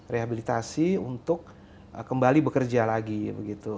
rehabilitasi untuk kembali bekerja lagi begitu